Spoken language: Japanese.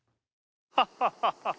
「ハハハハ」